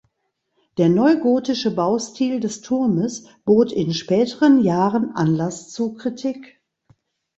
Der neugotische Baustil des Turmes bot in späteren Jahren Anlass zu Kritik.